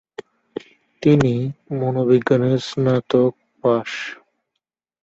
তিনি মনোবিজ্ঞানে স্নাতক পাশ।